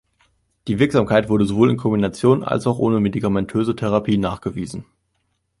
Die Wirksamkeit wurde sowohl in Kombination als auch ohne medikamentöse Therapie nachgewiesen.